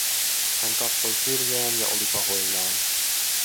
Hän katsoi syrjään ja oli pahoillaan.